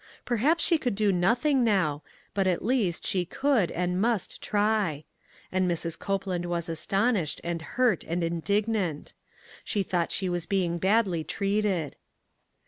Perhaps she could do nothing now, but, at least, she could, and must, try. And Mrs. Copeland was astonished, and hurt, and indignant. She thought she was being badly treated.